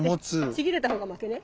ちぎれたほうが負けね。